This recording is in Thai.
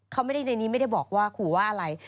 เขาไม่ได้ในนี้ไม่ได้บอกว่าขู่ว่าอะไร